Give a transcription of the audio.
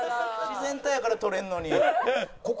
自然体やから撮れるのに。